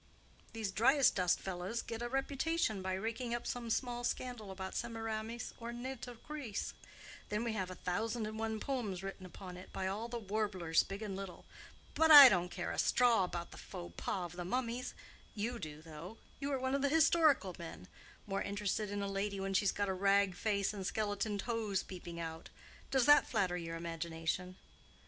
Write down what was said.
These Dryasdust fellows get a reputation by raking up some small scandal about Semiramis or Nitocris, and then we have a thousand and one poems written upon it by all the warblers big and little. But I don't care a straw about the faux pas of the mummies. You do, though. You are one of the historical men—more interested in a lady when she's got a rag face and skeleton toes peeping out. Does that flatter your imagination?"